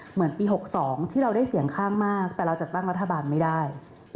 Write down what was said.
เหมือนปี๖๒ที่เราได้เสียงข้างมากแต่เราจัดตั้งรัฐบาลไม่ได้